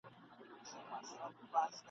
يوه ورځ پر دغه ځمکه !.